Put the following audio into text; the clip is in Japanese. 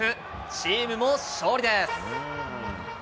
チームも勝利です。